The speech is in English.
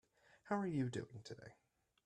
How are you doing today?